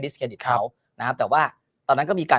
เครดิตเขานะครับแต่ว่าตอนนั้นก็มีการ